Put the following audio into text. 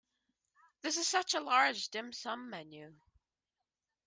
This is such a large dim sum menu.